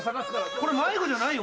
これ迷子じゃないよ。